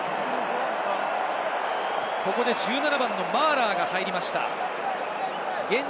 ここで１７番のマーラーが入りました。